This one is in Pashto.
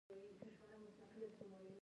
وږغېږئ